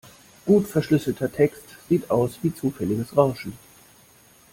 Gut verschlüsselter Text sieht aus wie zufälliges Rauschen.